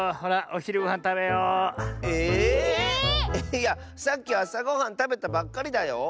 いやさっきあさごはんたべたばっかりだよ！